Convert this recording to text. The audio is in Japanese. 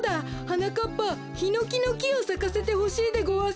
はなかっぱヒノキのきをさかせてほしいでごわす。